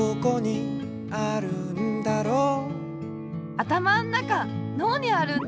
あたまのなかのうにあるんだ。